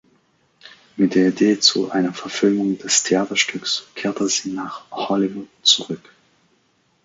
Mit der Idee zu einer Verfilmung des Theaterstücks kehrte sie nach Hollywood zurück.